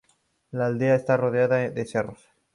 La aldea está rodeada de cerros.